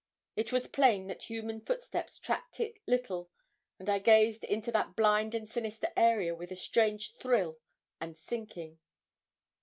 It was plain that human footsteps tracked it little, and I gazed into that blind and sinister area with a strange thrill and sinking.